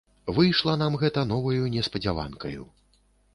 Выйшла нам гэта новаю неспадзяванкаю.